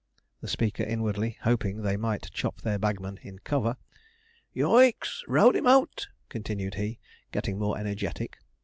the speaker inwardly hoping they might chop their bagman in cover. 'Y o o icks! rout him out!' continued he, getting more energetic.